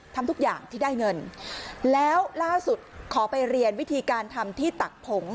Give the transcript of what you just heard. ทำทุกอย่างที่ได้เงินแล้วล่าสุดขอไปเรียนวิธีการทำที่ตักผง